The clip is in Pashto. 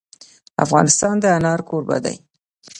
افغانستان د انار کوربه دی.